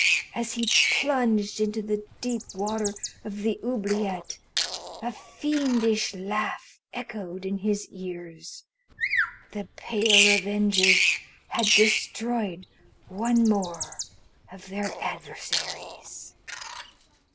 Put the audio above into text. As he plunged into the deep water of the oubliette a fiendish laugh echoed in his ears. The Pale Avengers had destroyed one more of their adversaries.